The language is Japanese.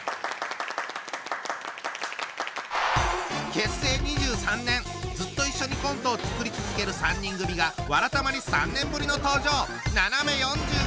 結成２３年ずっと一緒にコントを作り続ける３人組が「わらたま」に３年ぶりの登場！